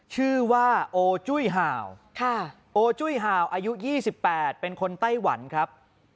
ชื่อว่าโอจุ้ยห่าวโอจุ้ยห่าวอายุ๒๘เป็นคนไต้หวันครับ